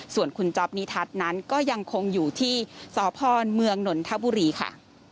ส่วนคุณจ๊อปนิทัศน์นั้นก็ยังคงอยู่ที่สพเมืองนนทบุรีค่ะ